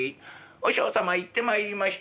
「和尚様行ってまいりました」。